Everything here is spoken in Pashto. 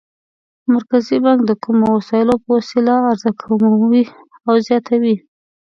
مرکزي بانک د کومو وسایلو په وسیله عرضه کموي او زیاتوي؟